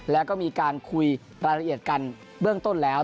แล้วก็มีการคุยรายละเอียดกันเบื้องต้นแล้ว